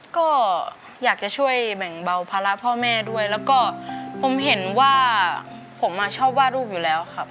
ก็อยากจะช่วยแบ่งเบาภาระพ่อแม่ด้วยแล้วก็ผมเห็นว่าผมชอบว่าลูกอยู่แล้วครับ